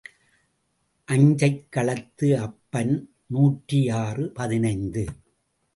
அஞ்சைக் களத்து அப்பன் நூற்றி ஆறு பதினைந்து .